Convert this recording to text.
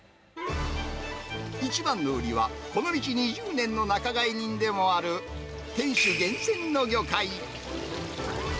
一番の売りは、この道２０年の仲買人でもある店主厳選の魚介。